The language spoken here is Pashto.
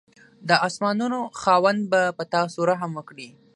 د اسمانانو خاوند به په تاسو رحم وکړي.